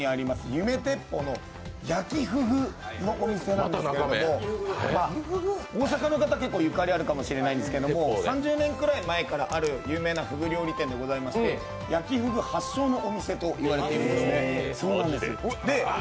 夢鉄砲の焼ふぐのお店なんですけれども、大阪の方結構ゆかりあるかもしれないですけど３０年ぐらい前からある有名なふぐ料理店でございまして、焼ふぐ発祥のお店と言われているんですね。